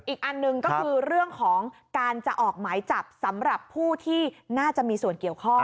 อีกอันหนึ่งก็คือเรื่องของการจะออกหมายจับสำหรับผู้ที่น่าจะมีส่วนเกี่ยวข้อง